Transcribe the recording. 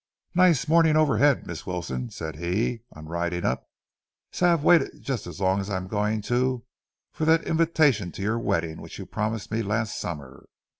"Nice morning overhead, Miss Wilson," said he, on riding up. "Say, I've waited just as long as I'm going to for that invitation to your wedding which you promised me last summer.